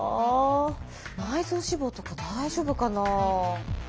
内臓脂肪とか大丈夫かな。